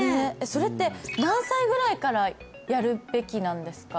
それって何歳ぐらいからやるべきなんですか？